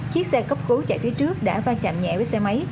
chiếc xe cấp cứu chạy phía trước đã va chạm nhẹ với xe máy